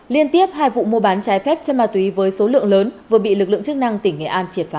liên tiếp hai vụ mua bán trái phép chân ma túy với số lượng lớn vừa bị lực lượng chức năng tỉnh nghệ an triệt phá